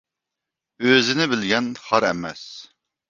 ئۆزىنى بىلگەن خار ئەمەس.